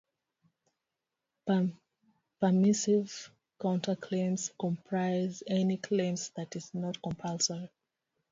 Permissive counterclaims comprise any claim that is not compulsory.